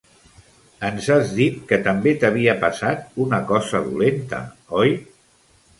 Ens has dit que també t'havia passat una cosa dolenta, oi?